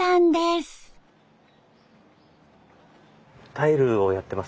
タイルをやってます。